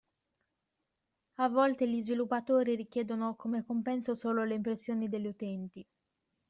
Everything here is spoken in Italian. A volte gli sviluppatori richiedono come compenso solo le impressioni degli utenti.